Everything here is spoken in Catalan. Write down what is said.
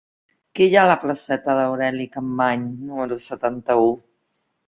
Què hi ha a la placeta d'Aureli Capmany número setanta-u?